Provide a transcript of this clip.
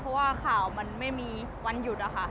เพราะว่าข่าวมันไม่มีวันหยุดอะค่ะ